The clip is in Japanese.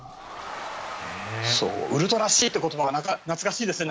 ウルトラＣという言葉が懐かしいですね。